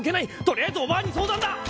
取りあえずお婆に相談だ！